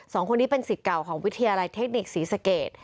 สองคนนี้เป็นสิทธิ์เก่าของวิทยาลัยเทคนิคศรีสเกต